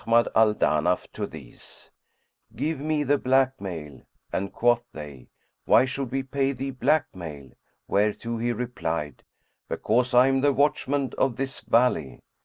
Quoth Ahmad Al Danaf to these, "Give me the black mail."[FN#104] and quoth they, "Why should we pay thee black mail?" whereto he replied, "Because I am the watchman of this valley."